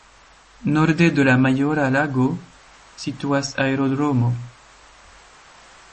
Norde de la Majora Lago situas aerodromo.